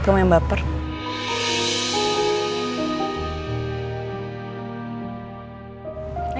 membuang paras ini